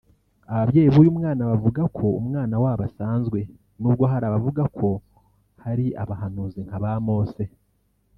Ababyeyi b’uyu mwana bavuga ko umwana wabo asanzwe nubwo hari abavuga ko hari abahanuzi nk’aba Mose